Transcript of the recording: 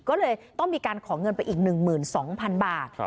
ก็เลยต้องมีการขอเงินไปอีก๑๒๐๐๐บาท